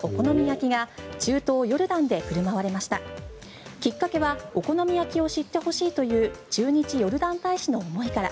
きっかけはお好み焼きを知ってほしいという駐日ヨルダン大使の思いから。